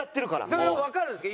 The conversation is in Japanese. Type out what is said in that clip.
それはわかるんですか？